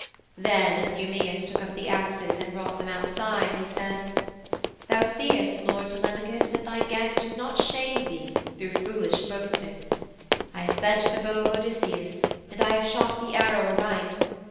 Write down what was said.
Then as Eumæus took up the axes, and brought them outside, he said, 'Thou seest, lord Telemachus, that thy guest does not shame thee through foolish boasting. I have bent the bow of Odysseus, and I have shot the arrow aright.